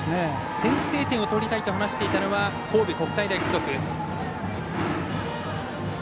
先制点を取りたいと話していたのは神戸国際大付属。